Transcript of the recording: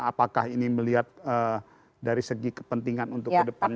apakah ini melihat dari segi kepentingan untuk kedepannya